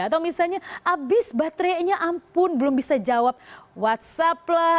atau misalnya habis baterainya ampun belum bisa jawab whatsapp lah